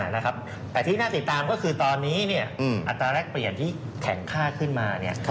นะครับแต่ที่น่าติดตามก็คือตอนนี้เนี่ยอัตราแรกเปลี่ยนที่แข่งค่าขึ้นมาเนี่ย